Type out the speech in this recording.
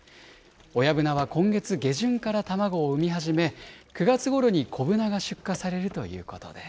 親ブナは今月下旬から卵を産み始め、９月ごろに小ブナが出荷されるということです。